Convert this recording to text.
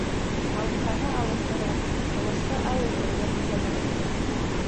Ҡалҡаны алыҫыраҡ, Ҡылысы ауыл эргәһендә генә.